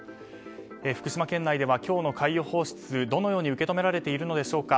福島県内では今日の海洋放出どのように受け止められているのでしょうか。